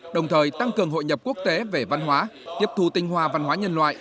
đồng thời tăng cường hội nhập quốc tế về văn hóa tiếp thu tinh hoa văn hóa nhân loại